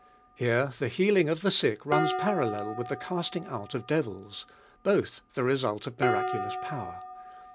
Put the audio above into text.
Here the healing of the sick runs parallel with the casting out of devils: both the result of miraculous power.